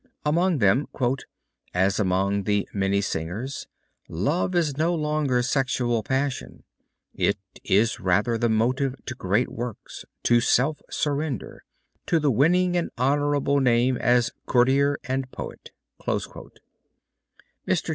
Among them, "as among the Minnesingers, love is no longer sexual passion, it is rather the motive to great works, to self surrender, to the winning an honorable name as Courtier and Poet." Mr.